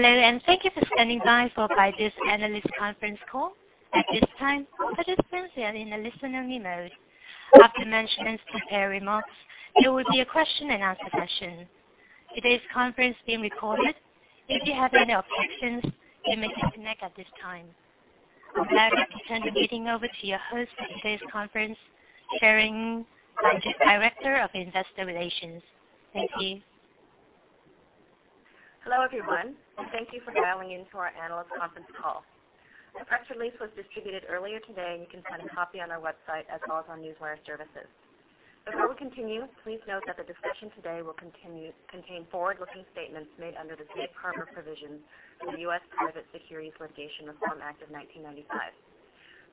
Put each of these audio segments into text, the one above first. Hello, thank you for standing by for Baidu's analyst conference call. At this time, participants are in a listen-only mode. After management's prepared remarks, there will be a question and answer session. Today's conference is being recorded. If you have any objections, you may disconnect at this time. I would now like to turn the meeting over to your host for today's conference, Sharon, Director of Investor Relations. Thank you. Hello, everyone, thank you for dialing in to our analyst conference call. The press release was distributed earlier today, you can find a copy on our website as well as our Newswire services. Before we continue, please note that the discussion today will contain forward-looking statements made under the Safe Harbor provisions in the U.S. Private Securities Litigation Reform Act of 1995.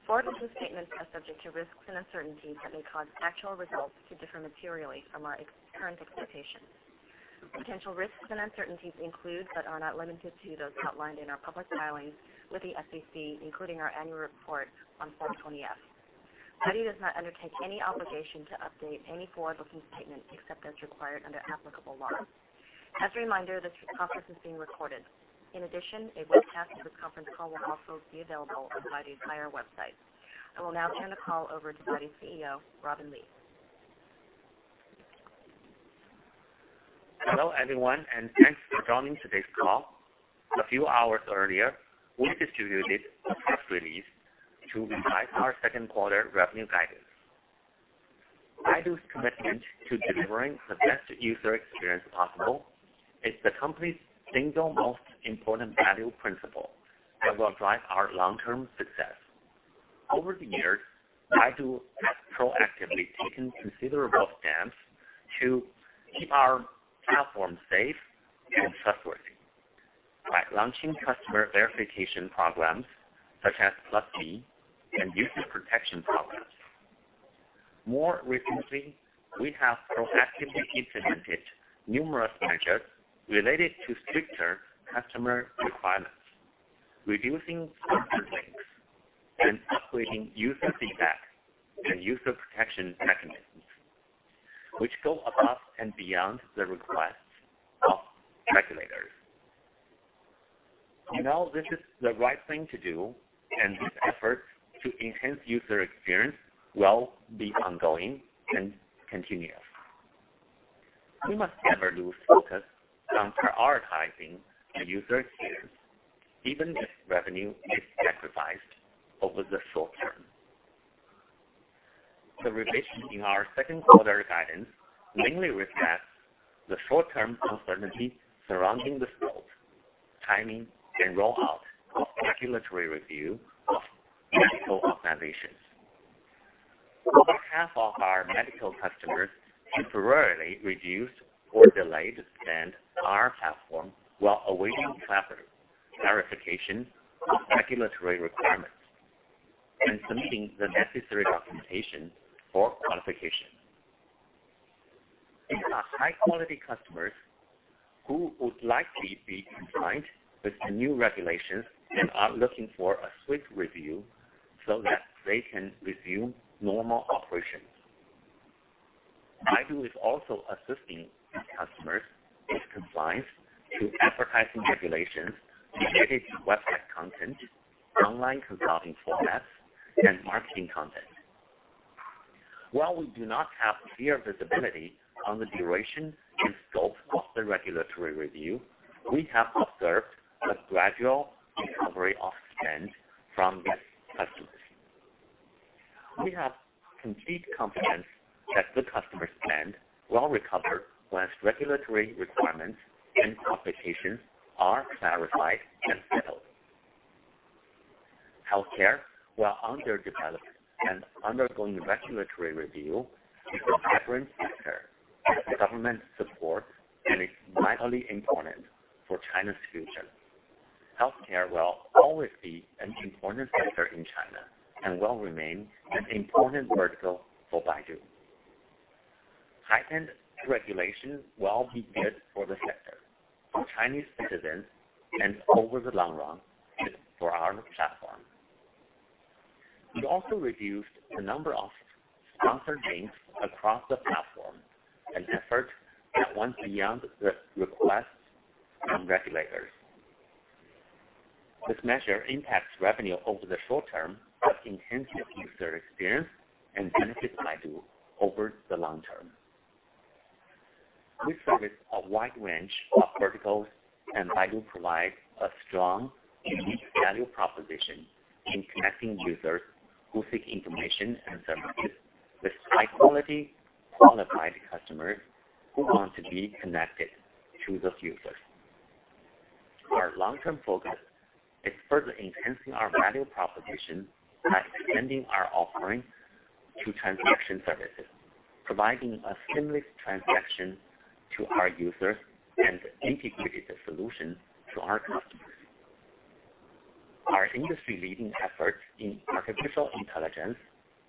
Forward-looking statements are subject to risks and uncertainties that may cause actual results to differ materially from our current expectations. Potential risks and uncertainties include, but are not limited to, those outlined in our public filings with the SEC, including our annual report on Form 20-F. Baidu does not undertake any obligation to update any forward-looking statement except as required under applicable law. As a reminder, this conference is being recorded. In addition, a webcast of this conference call will also be available on Baidu's IR website. I will now turn the call over to Baidu's CEO, Robin Li. Hello, everyone, thanks for joining today's call. A few hours earlier, we distributed a press release to revise our second quarter revenue guidance. Baidu's commitment to delivering the best user experience possible is the company's single most important value principle that will drive our long-term success. Over the years, Baidu has proactively taken considerable steps to keep our platform safe and trustworthy by launching customer verification programs such as +B and user protection programs. More recently, we have proactively implemented numerous measures related to stricter customer requirements, reducing sponsor links, and upgrading user feedback and user protection mechanisms, which go above and beyond the requests of regulators. We know this is the right thing to do, these efforts to enhance user experience will be ongoing and continuous. We must never lose focus on prioritizing the user experience, even if revenue is sacrificed over the short term. The revision in our second quarter guidance mainly reflects the short-term uncertainty surrounding the scope, timing, and rollout of regulatory review of medical organizations. Over half of our medical customers temporarily reduced or delayed spend on our platform while awaiting clarity, verification of regulatory requirements, and submitting the necessary documentation for qualification. These are high-quality customers who would likely be compliant with the new regulations and are looking for a swift review so that they can resume normal operations. Baidu is also assisting these customers with compliance to advertising regulations related to website content, online consulting formats, and marketing content. While we do not have clear visibility on the duration and scope of the regulatory review, we have observed a gradual recovery of spend from these customers. We have complete confidence that the customer spend will recover once regulatory requirements and complications are clarified and settled. Healthcare, while under development and undergoing regulatory review, is a vibrant sector with government support and is vitally important for China's future. Healthcare will always be an important sector in China and will remain an important vertical for Baidu. Heightened regulation will be good for the sector, for Chinese citizens, and over the long run, for our platform. We also reduced the number of sponsor links across the platform, an effort that went beyond the requests from regulators. This measure impacts revenue over the short term, but enhances user experience and benefits Baidu over the long term. We service a wide range of verticals, and Baidu provides a strong, unique value proposition in connecting users who seek information and services with high-quality, qualified customers who want to be connected to those users. Our long-term focus is further enhancing our value proposition by extending our offering to transaction services, providing a seamless transaction to our users and integrated solutions to our customers. Our industry-leading efforts in artificial intelligence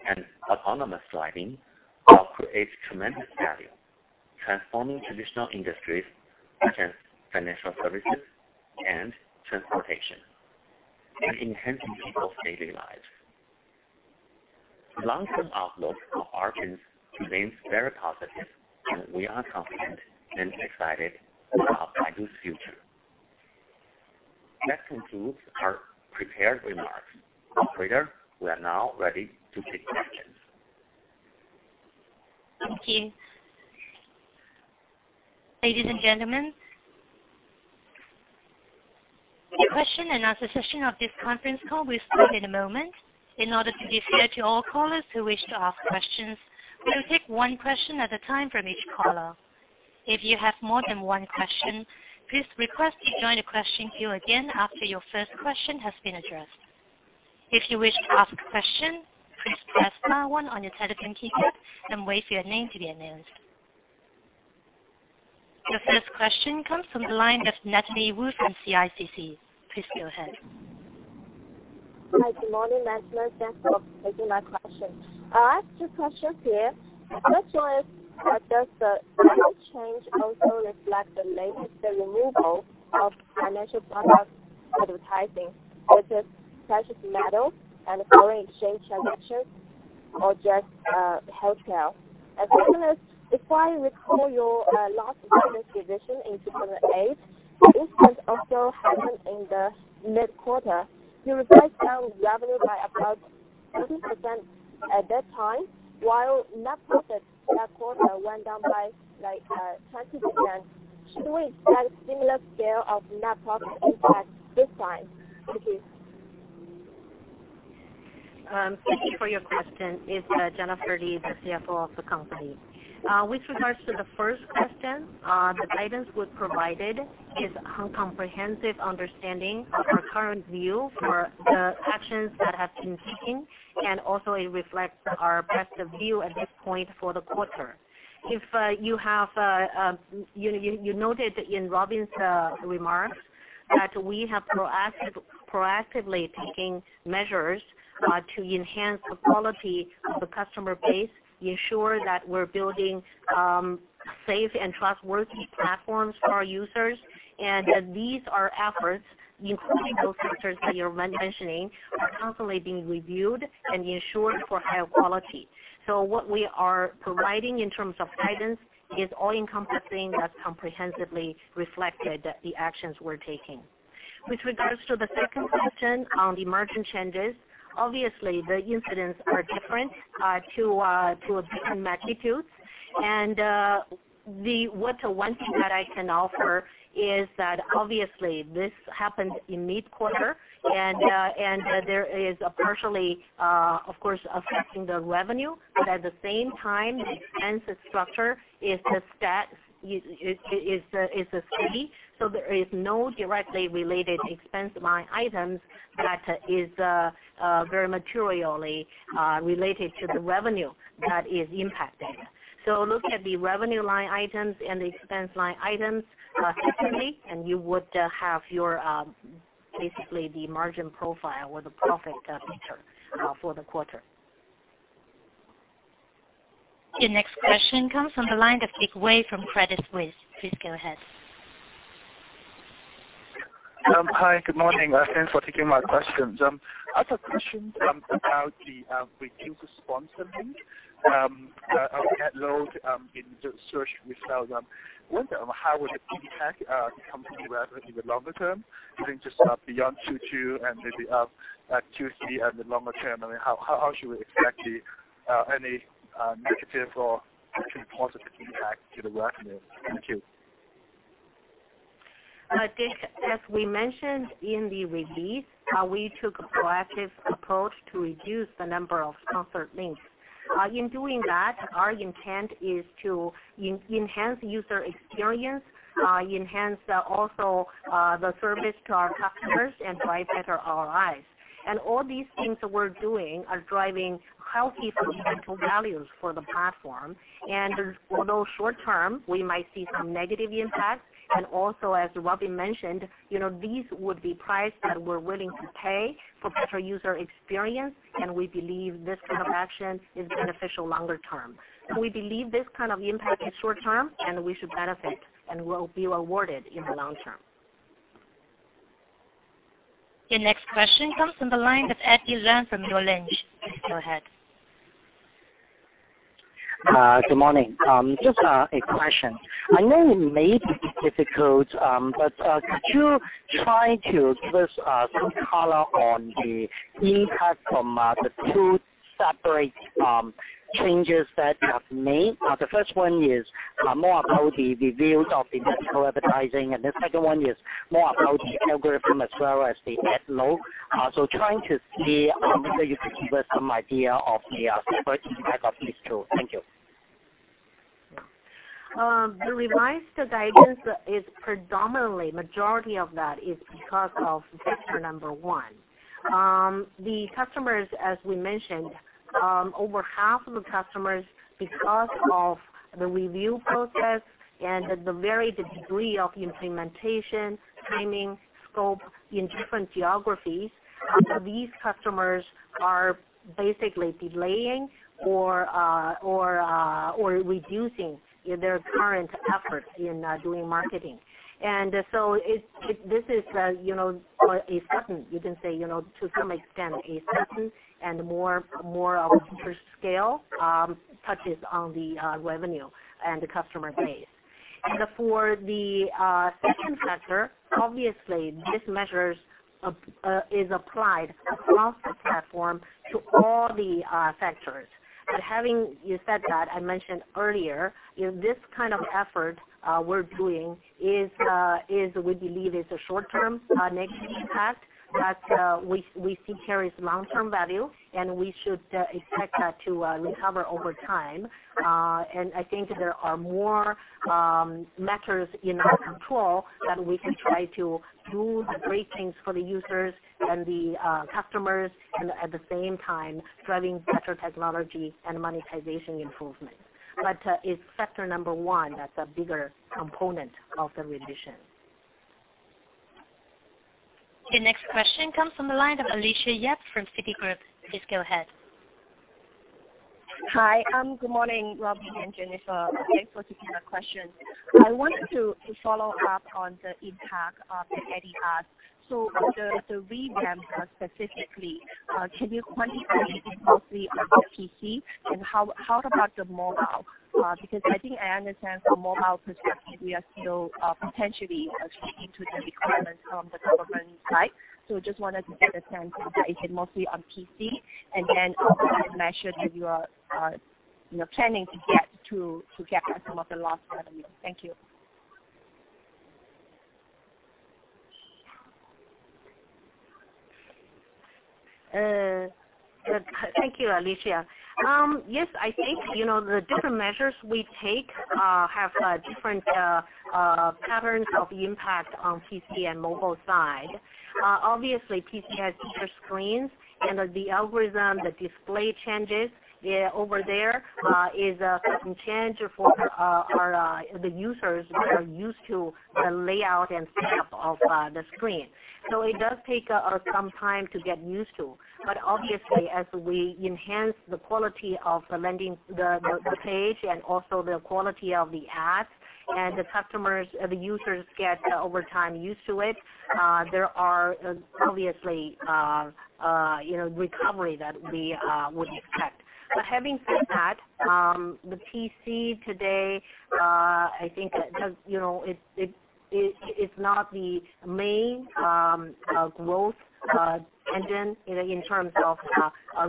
and autonomous driving will create tremendous value, transforming traditional industries such as financial services and transportation, and enhancing people's daily lives. The long-term outlook for Baidu remains very positive, and we are confident and excited about Baidu's future. That concludes our prepared remarks. Operator, we are now ready to take questions. Thank you. Ladies and gentlemen, the question and answer session of this conference call will start in a moment. In order to be fair to all callers who wish to ask questions, we will take one question at a time from each caller. If you have more than one question, please request to join the question queue again after your first question has been addressed. If you wish to ask a question, please press star one on your telephone keypad and wait for your name to be announced. The first question comes from the line of Natalie Wu from CICC. Please go ahead. Hi, good morning, gentlemen. Thanks for taking my question. I have two questions here. First one is, does the change also reflect the latest removal of financial product advertising, such as precious metals and foreign exchange transactions, or just healthcare? Second is, if I recall your last earnings revision in 2008, this trend also happened in the mid-quarter. You revised down revenue by about 30% at that time, while net profit that quarter went down by 20%. Should we expect similar scale of net profit impact this time? Thank you. Thank you for your question. It's Jennifer Li, the CFO of the company. With regards to the first question, the guidance we provided is a comprehensive understanding of our current view for the actions that have been taken, and also it reflects our best view at this point for the quarter. If you noted in Robin's remarks, that we have proactively taken measures to enhance the quality of the customer base, ensure that we're building safe and trustworthy platforms for our users. These are efforts, including those sectors that you're mentioning, are constantly being reviewed and ensured for higher quality. What we are providing in terms of guidance is all-encompassing, that comprehensively reflected the actions we're taking. With regards to the second question on the margin changes, obviously the incidents are different to a different magnitude. The one thing that I can offer is that obviously this happened in mid-quarter and there is partially, of course, affecting the revenue, but at the same time, the expense structure is a steady, so there is no directly related expense line items that is very materially related to the revenue that is impacted. Look at the revenue line items and the expense line items separately, and you would have basically the margin profile or the profit picture for the quarter. Your next question comes from the line of Dick Wei from Credit Suisse. Please go ahead. Hi. Good morning. Thanks for taking my questions. I have a question about the reduced sponsored links, ad load in the search results. Wonder how would it impact the company revenue in the longer term, even just beyond Q2 and maybe Q3 and the longer term? How should we expect any negative or positive impact to the revenue? Thank you. Dick, as we mentioned in the release, we took a proactive approach to reduce the number of sponsored links. In doing that, our intent is to enhance user experience, enhance also the service to our customers, and provide better ROIs. All these things we're doing are driving healthy fundamental values for the platform. Although short term, we might see some negative impact, and also as Robin mentioned, these would be prices we're willing to pay for better user experience, and we believe this kind of action is beneficial longer term. We believe this kind of impact is short term, and we should benefit and will be rewarded in the long term. Your next question comes from the line of Eddie Leung from BofA Merrill Lynch Please go ahead. Good morning. Just a question. I know it may be difficult, but could you try to give us some color on the impact from the two separate changes that you have made? The first one is more about the reviews of the medical advertising, and the second one is more about the algorithm as well as the ad load. Trying to see whether you could give us some idea of the separate impact of these two. Thank you. The revised guidance is predominantly, majority of that is because of factor 1. The customers, as we mentioned, over half of the customers, because of the review process and the varied degree of implementation, timing, scope in different geographies, these customers are basically delaying or reducing their current effort in doing marketing. This is a certain, you can say, to some extent, a certain and more of per scale touches on the revenue and the customer base. For the second factor, obviously, this measure is applied across the platform to all the factors. Having said that, I mentioned earlier, this kind of effort we're doing we believe is a short-term negative impact that we see carries long-term value, and we should expect that to recover over time. I think there are more matters in our control that we can try to do the great things for the users and the customers, and at the same time, driving better technology and monetization improvement. It's factor 1 that's a bigger component of the revision. The next question comes from the line of Alicia Yap from Citigroup. Please go ahead. Hi. Good morning, Robin and Jennifer. Thanks for taking my question. I wanted to follow up on the impact of the ad load. The revamp specifically, can you quantify it mostly on PC, and how about the mobile? Because I think I understand from mobile perspective, we are still potentially speaking to the requirements from the government side. Just wanted to get a sense if that is mostly on PC, and then also what measures you are planning to get back some of the lost revenue. Thank you. Thank you, Alicia. Yes, I think the different measures we take have different patterns of impact on PC and mobile side. Obviously, PC has bigger screens, and the algorithm, the display changes over there is a sudden change for the users who are used to the layout and setup of the screen. It does take some time to get used to. Obviously, as we enhance the quality of the page and also the quality of the ads, and the users get, over time, used to it, there are obviously recovery that we would expect. Having said that, the PC today, I think it is not the main growth engine in terms of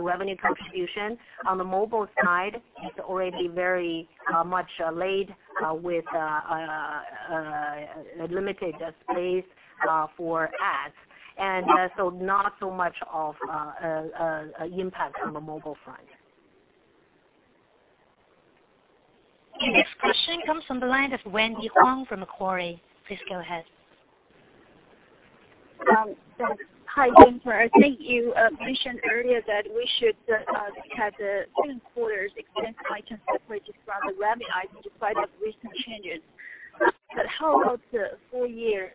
revenue contribution. On the mobile side, it is already very much laid with a limited space for ads. Not so much of an impact on the mobile front. The next question comes from the line of Wendy Huang from Macquarie. Please go ahead. Hi, Jennifer. I think you mentioned earlier that we should have the Qunar's expense items separated from the revenue items despite the recent changes. How about the full year?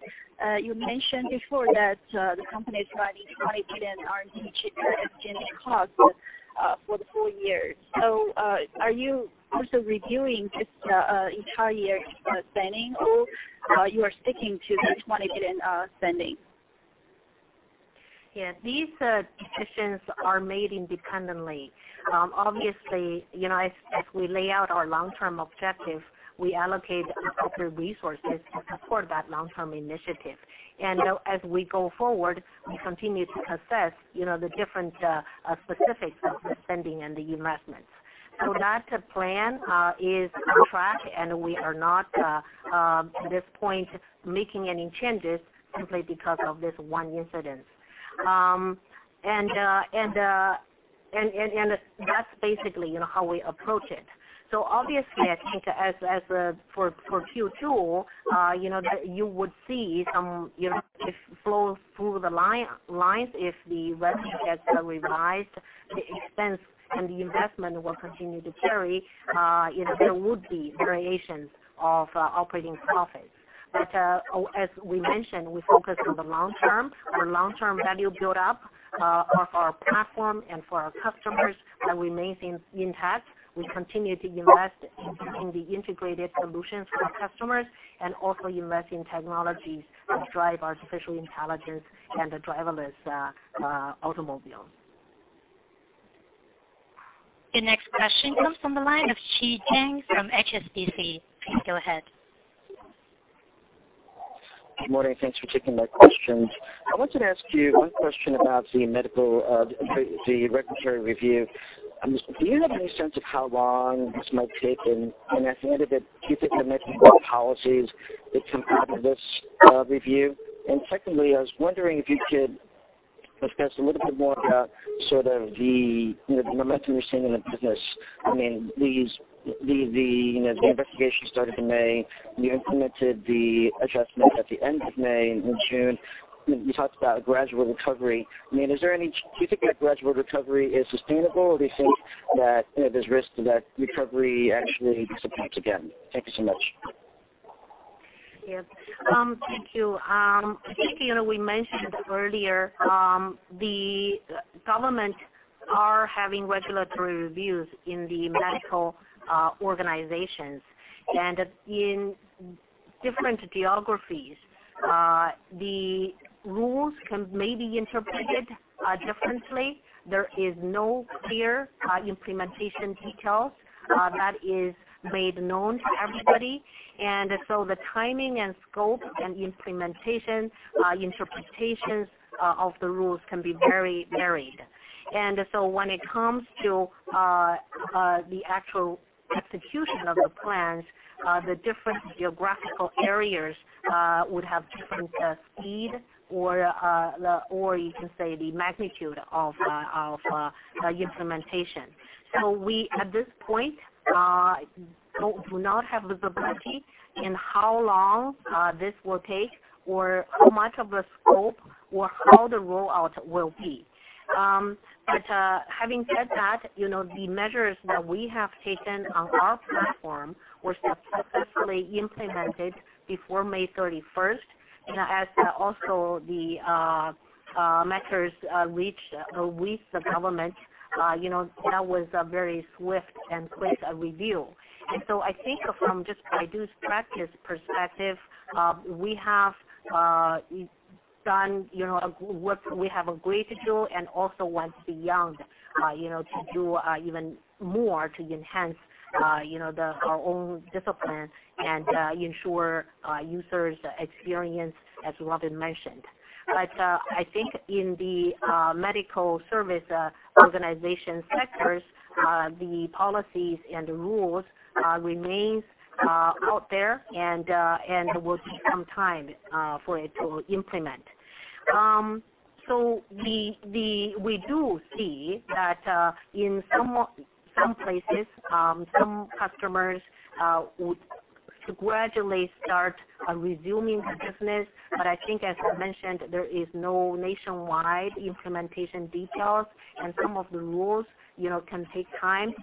You mentioned before that the company is running quite an R&D cheaper and CapEx cost for the full year. Are you also reviewing this entire year spending, or you are sticking to this money-driven spending? Yes, these decisions are made independently. Obviously, as we lay out our long-term objective, we allocate appropriate resources to support that long-term initiative. As we go forward, we continue to assess the different specifics of the spending and the investments. That plan is on track, and we are not, to this point, making any changes simply because of this one incident. That's basically how we approach it. Obviously, I think for Q2, that you would see some flow through the lines if the revenue gets revised, the expense and the investment will continue to carry. There would be variations of operating profits. As we mentioned, we focus on the long term, where long-term value build-up of our platform and for our customers remains intact. We continue to invest in the integrated solutions for the customers and also invest in technologies that drive artificial intelligence and the driverless automobile. The next question comes from the line of Chi Tsang from HSBC. Please go ahead. Good morning. Thanks for taking my questions. I wanted to ask you one question about the medical, the regulatory review. Do you have any sense of how long this might take? At the end of it, do you think there might be more policies that come out of this review? Secondly, I was wondering if you could discuss a little bit more about sort of the momentum you're seeing in the business. I mean, the investigation started in May. You implemented the adjustments at the end of May and in June. You talked about a gradual recovery. I mean, do you think that gradual recovery is sustainable, or do you think that there's risk that recovery actually disappoints again? Thank you so much. Yes. Thank you. I think we mentioned earlier, the government are having regulatory reviews in the medical organizations. In different geographies, the rules may be interpreted differently. There is no clear implementation details that is made known to everybody. The timing and scope and implementation, interpretations of the rules can be very varied. When it comes to the actual execution of the plans, the different geographical areas would have different speed or you can say, the magnitude of implementation. We, at this point, do not have visibility in how long this will take or how much of a scope or how the rollout will be. Having said that, the measures that we have taken on our platform were successfully implemented before May 31st. As also the measures reached with the government, that was a very swift and quick review. I think from just Baidu's practice perspective, we have done what we have agreed to do and also went beyond, to do even more to enhance our own discipline and ensure users' experience as Robin mentioned. In the medical service organization sectors, the policies and rules remain out there and will take some time for it to implement. We do see that in some places, some customers would gradually start resuming business. As I mentioned, there is no nationwide implementation details, and some of the rules can take time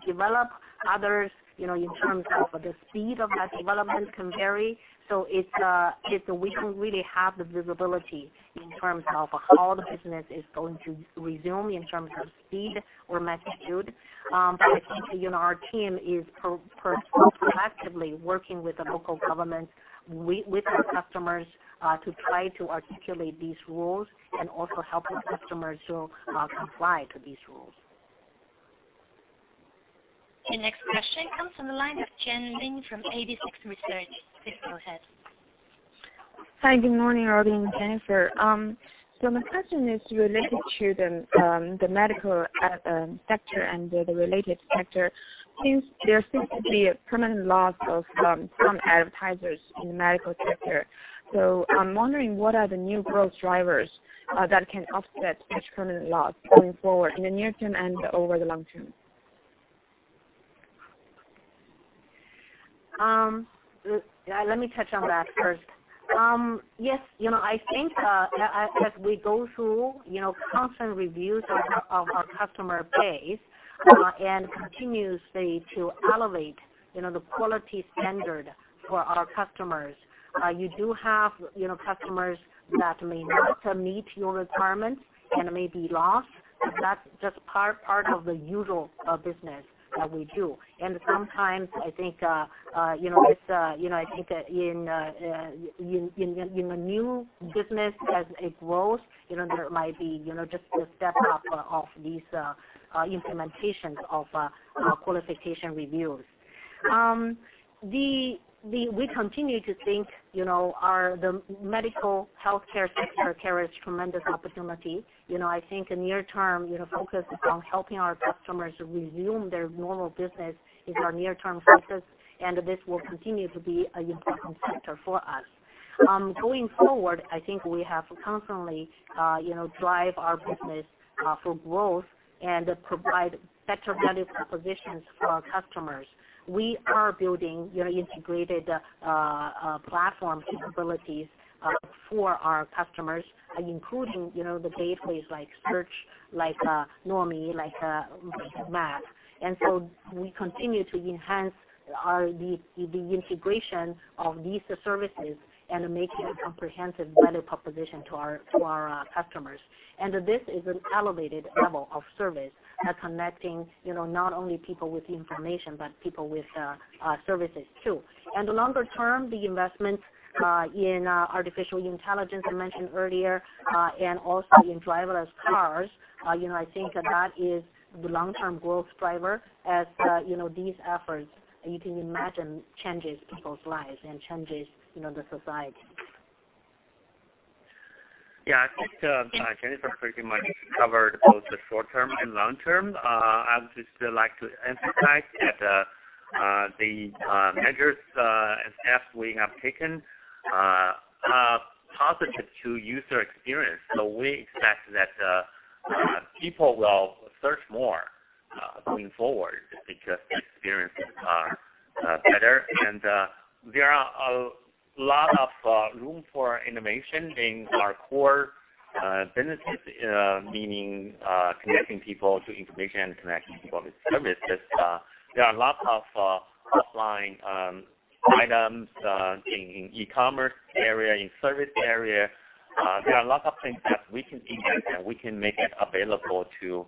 to develop. Others, in terms of the speed of that development can vary. We don't really have the visibility in terms of how the business is going to resume in terms of speed or magnitude. Our team is proactively working with the local governments, with our customers, to try to articulate these rules and also help the customers to comply to these rules. The next question comes from the line of Jen Ling from Eighty6 Research. Please go ahead. Hi, good morning, Robin and Jennifer. My question is related to the medical sector and the related sector. Since there seems to be a permanent loss of some advertisers in the medical sector. I'm wondering, what are the new growth drivers that can offset such permanent loss going forward in the near term and over the long term? Yes, I think as we go through constant reviews of our customer base and continuously to elevate the quality standard for our customers, you do have customers that may not meet your requirement and may be lost. That's just part of the usual business that we do. Sometimes I think in a new business, as it grows, there might be just the step-up of these implementations of qualification reviews. We continue to think the medical healthcare sector carries tremendous opportunity. I think near term, focus is on helping our customers resume their normal business is our near-term focus, and this will continue to be an important sector for us. Going forward, I think we have to constantly drive our business for growth and provide better value propositions for our customers. We are building integrated platform capabilities for our customers, including the gateways like search, like Nuomi, like Map. We continue to enhance the integration of these services and making a comprehensive value proposition to our customers. This is an elevated level of service that connecting not only people with information but people with services, too. Longer term, the investment in artificial intelligence I mentioned earlier, and also in driverless cars. I think that is the long-term growth driver as these efforts, you can imagine, changes people's lives and changes the society. I think Jennifer pretty much covered both the short term and long term. I would just like to emphasize that the measures and steps we have taken are positive to user experience. We expect that people will search more, going forward because the experiences are better and there are a lot of room for innovation in our core Business, meaning connecting people to information and connecting people with services. There are lots of offline items in e-commerce area, in service area. There are lots of things that we can invent, and we can make it available to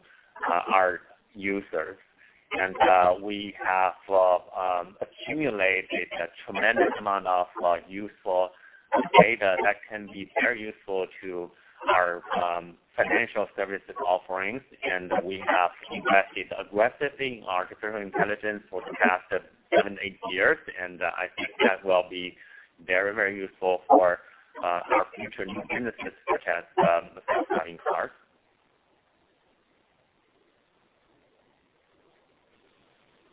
our users. We have accumulated a tremendous amount of useful data that can be very useful to our financial services offerings, and we have invested aggressively in artificial intelligence for the past seven, eight years, I think that will be very, very useful for our future new businesses, such as the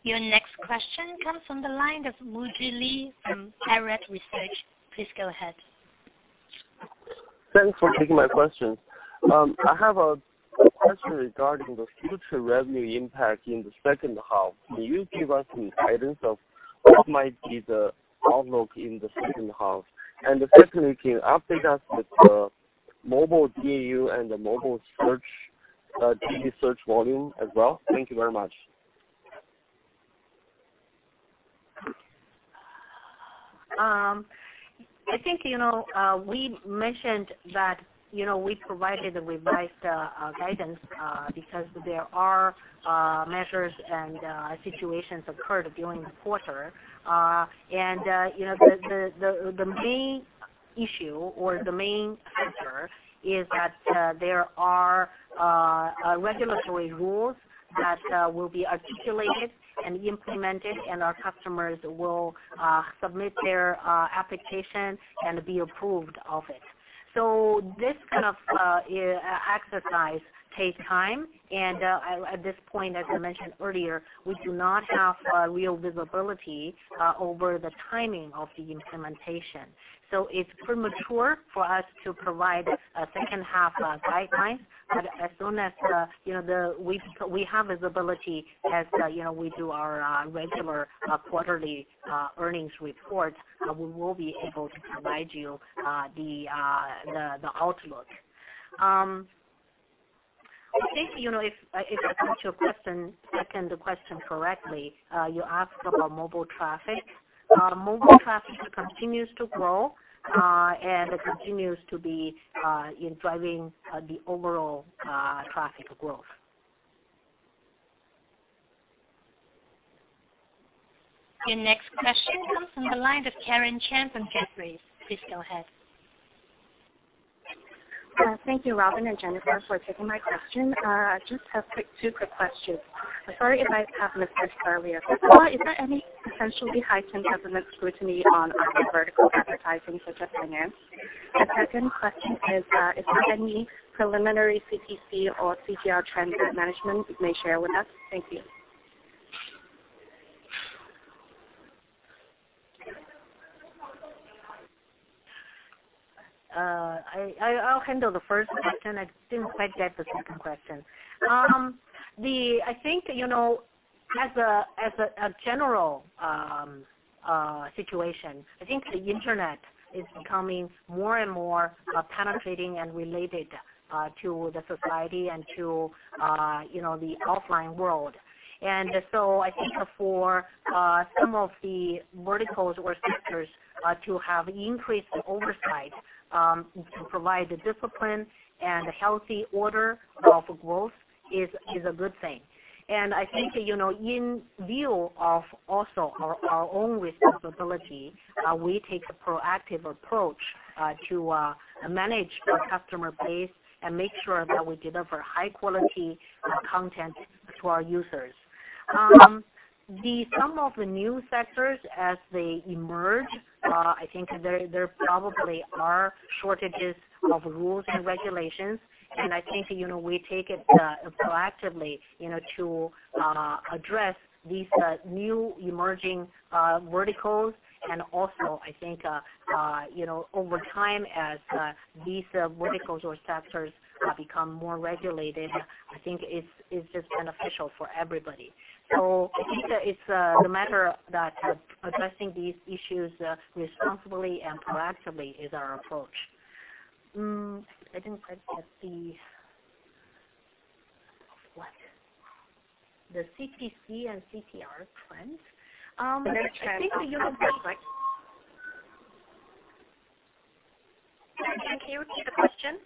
credit card. Your next question comes from the line of Mujie Li from Piper Sandler. Please go ahead. Thanks for taking my question. I have a question regarding the future revenue impact in the second half. Can you give us some guidance of what might be the outlook in the second half? Secondly, can you update us with the mobile DAU and the mobile search, daily search volume as well? Thank you very much. I think we mentioned that we provided revised guidance because there are measures and situations occurred during the quarter. The main issue or the main factor is that there are regulatory rules that will be articulated and implemented, and our customers will submit their application and be approved of it. This kind of exercise takes time, and at this point, as I mentioned earlier, we do not have real visibility over the timing of the implementation. It's premature for us to provide a second half guideline, but as soon as we have visibility, as we do our regular quarterly earnings report, we will be able to provide you the outlook. I think, if I got your second question correctly, you asked about mobile traffic. Mobile traffic continues to grow, and it continues to be driving the overall traffic growth. Your next question comes from the line of Karen Chan from Jefferies. Please go ahead. Thank you, Robin and Jennifer, for taking my question. I just have two quick questions. Sorry if I have missed this earlier. First of all, is there any potentially heightened government scrutiny on other vertical advertising, such as finance? The second question is there any preliminary CPC or CTR trends that management may share with us? Thank you. I'll handle the first question. I didn't quite get the second question. I think, as a general situation, I think the internet is becoming more and more penetrating and related to the society and to the offline world. I think for some of the verticals or sectors to have increased oversight to provide the discipline and healthy order of growth is a good thing. I think in view of also our own responsibility, we take a proactive approach to manage our customer base and make sure that we deliver high quality content to our users. Some of the new sectors, as they emerge, I think there probably are shortages of rules and regulations, I think we take it proactively to address these new emerging verticals, and also, I think, over time, as these verticals or sectors become more regulated, I think it's just beneficial for everybody. I think it's the matter that addressing these issues responsibly and proactively is our approach. I didn't quite get the What? The CPC and CTR trend? The trend. I think- Can you repeat the question?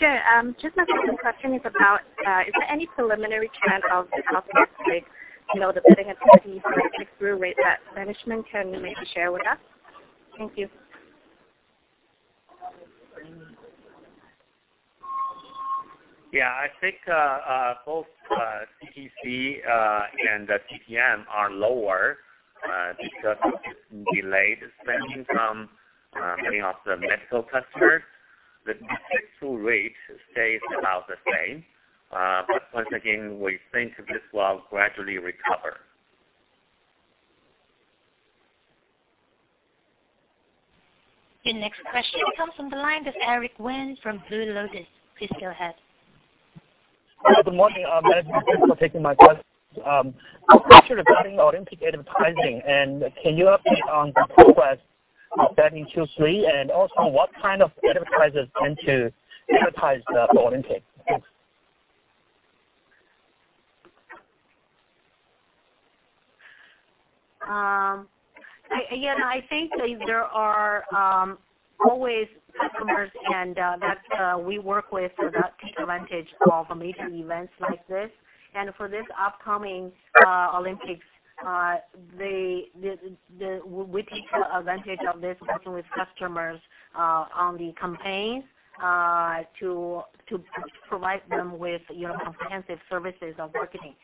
Sure. Just my second question is about, is there any preliminary trend of the cost per click, the bidding intensity, or the click-through rate that management can maybe share with us? Thank you. Yeah, I think both CPC and the CPM are lower because of the delayed spending from many of the medical customers. The click-through rate stays about the same. Once again, we think this will gradually recover. Your next question comes from the line of Eric Wen from Blue Lotus. Please go ahead. Good morning, Madam. Thanks for taking my question. Can you update us on the progress of that in Q3? Also, what kind of advertisers tend to advertise for Olympics? Thanks. Again, I think there are always customers that we work with that take advantage of major events like this. For this upcoming Olympics, we take advantage of this, working with customers on the campaigns to provide them with comprehensive services of marketing.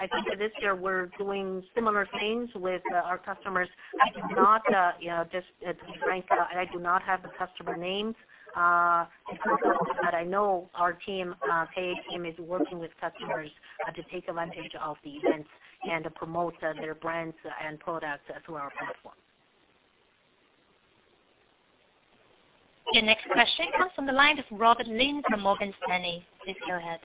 I think this year we're doing similar things with our customers. To be frank, I do not have the customer names, but I know our paid team is working with customers to take advantage of the events and promote their brands and products through our platform. Your next question comes from the line of Robert Lin from Morgan Stanley. Please go ahead.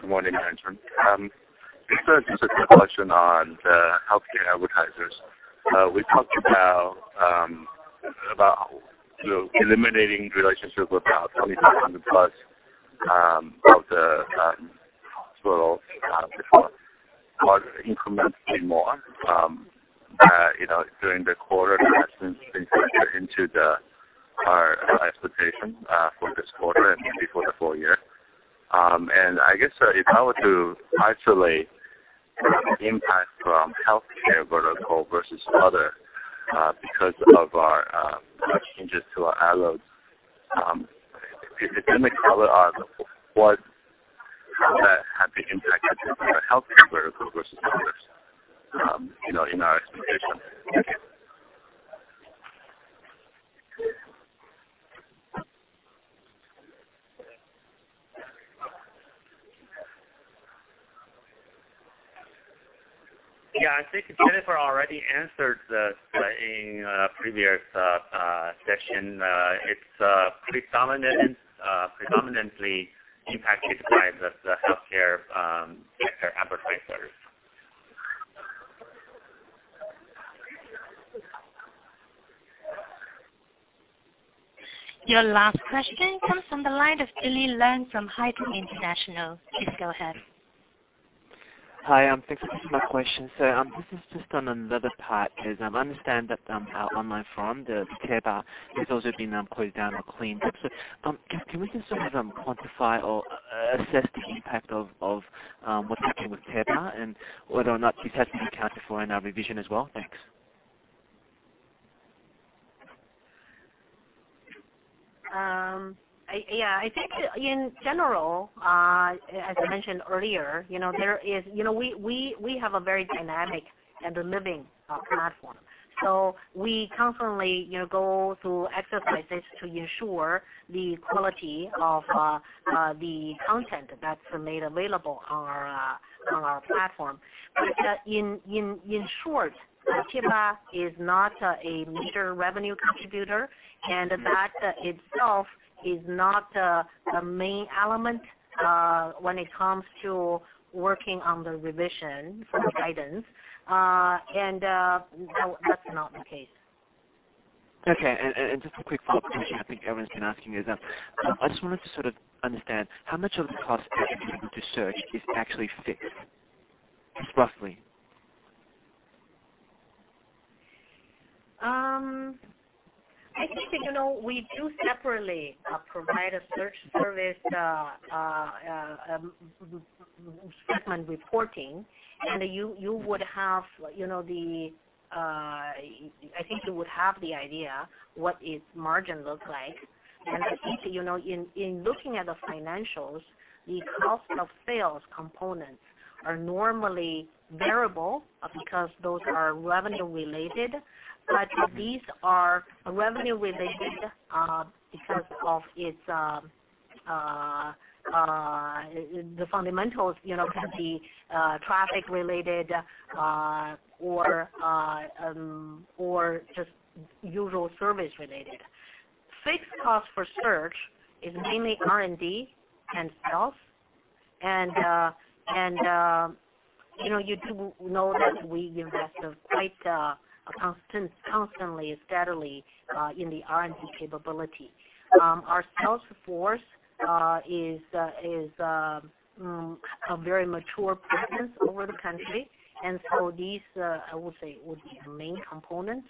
Good morning, Madam Jennifer. This is a question on healthcare advertisers. We talked about eliminating relationships with about 2,500+ of the hospitals before, but incrementally more during the quarter has been factored into our expectation for this quarter and maybe for the full year. I guess, if I were to isolate impact from healthcare vertical versus other because of our changes to our allies, can you tell us what the net impact has been for the healthcare vertical versus others in our expectation? Yeah, I think Jennifer already answered this in a previous session. It's predominantly impacted by the healthcare advertisers. Your last question comes from the line of Billy Leung from Haitong International. Please go ahead. Hi, thanks for taking my question. This is just on another part, because I understand that our online forum, the Tieba, has also been closed down or cleaned up. Can we just sort of quantify or assess the impact of what's happening with Tieba and whether or not this has to be accounted for in our revision as well? Thanks. I think, in general, as I mentioned earlier, we have a very dynamic and living platform. We constantly go through exercises to ensure the quality of the content that's made available on our platform. In short, Tieba is not a major revenue contributor, and the fact that itself is not the main element when it comes to working on the revision for the guidance. That's not the case. Just a quick follow-up question I think everyone's been asking is, I just wanted to sort of understand how much of the cost attributed to search is actually fixed, just roughly? I think we do separately provide a search service segment reporting, and I think you would have the idea what its margin looks like. I think, in looking at the financials, the cost of sales components are normally variable because those are revenue related, but these are revenue related because of the fundamentals, can be traffic related or just usual service related. Fixed cost for search is mainly R&D and sales. You do know that we invest quite constantly, steadily in the R&D capability. Our sales force is a very mature presence over the country, these, I would say, would be the main components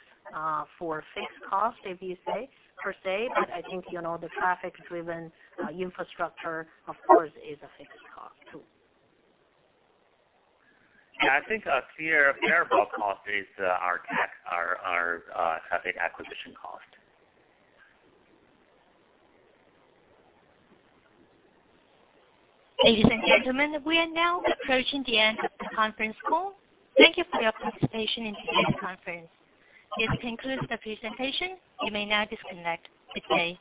for fixed cost, if you say, per se. I think, the traffic-driven infrastructure, of course, is a fixed cost, too. I think a variable cost is our traffic acquisition cost. Ladies and gentlemen, we are now approaching the end of the conference call. Thank you for your participation in today's conference. This concludes the presentation. You may now disconnect. Good day.